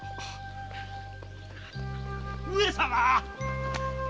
上様。